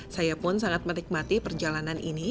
saya pun sangat menikmati perjalanan ini